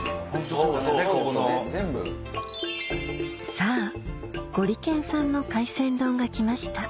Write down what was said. さぁゴリけんさんの海鮮丼が来ました